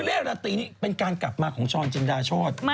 เร่รตีนี่เป็นการกลับมาของช้อนจินดาโชธ